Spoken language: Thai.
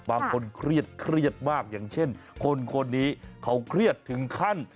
บางคนเครียดเครียดมากอย่างเช่นคนนี้เขาเครียดถึงขั้น